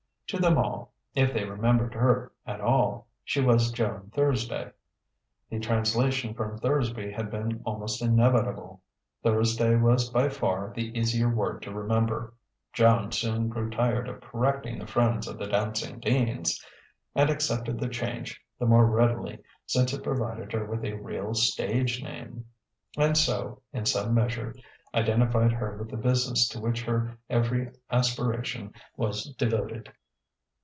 To them all (if they remembered her at all) she was Joan Thursday. The translation from Thursby had been almost inevitable. Thursday was by far the easier word to remember; Joan soon grew tired of correcting the friends of the Dancing Deans; and accepted the change the more readily since it provided her with a real "stage name", and so, in some measure, identified her with the business to which her every aspiration was devoted.